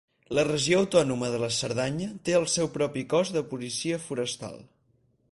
La Regió Autònoma de la Cerdanya té el seu propi cos de policia forestal.